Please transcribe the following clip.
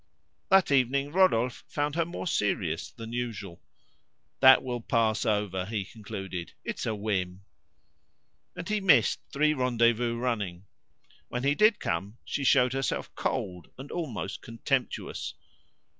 That evening Rodolphe found her more serious than usual. "That will pass over," he concluded; "it's a whim:" And he missed three rendezvous running. When he did come, she showed herself cold and almost contemptuous.